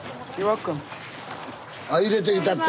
あ入れといたって。